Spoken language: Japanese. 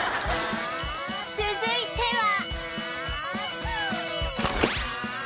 続いては